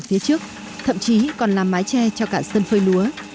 phía trước thậm chí còn làm mái tre cho cả sân phơi lúa